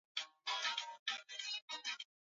Alijitokeza kutawanya umati uliokuwa ukimsubiri